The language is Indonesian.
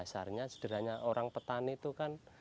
dasarnya sederhana orang petani itu kan